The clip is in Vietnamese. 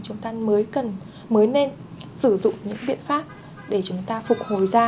chúng ta mới nên sử dụng những biện pháp để chúng ta phục hồi ra